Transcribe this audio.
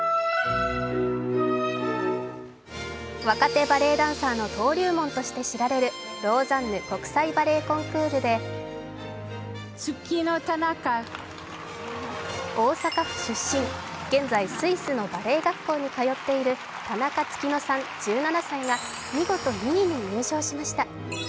若手バレエダンサーの登竜門として知られるローザンヌ国際バレエコンクールで大阪府出身、現在スイスのバレエ学校に通っている田中月乃さん１７歳が見事２位に入賞しました。